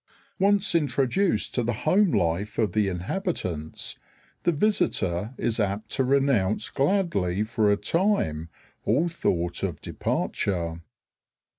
Once introduced to the home life of the inhabitants, the visitor is apt to renounce gladly for a time all thought of departure.